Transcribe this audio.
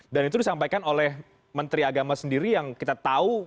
dan itu disampaikan oleh menteri agama sendiri yang kita tahu